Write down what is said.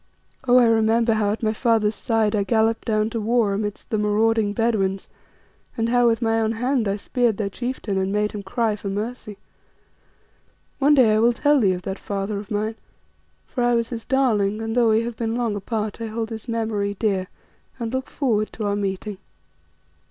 Oh! I remember how at my father's side I galloped down to war against the marauding Bedouins, and how with my own hand I speared their chieftain and made him cry for mercy. One day I will tell thee of that father of mine, for I was his darling, and though we have been long apart, I hold his memory dear and look forward to our meeting.